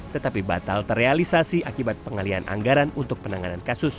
tetapi batal terrealisasi akibat pengalian anggaran untuk penanganan kasus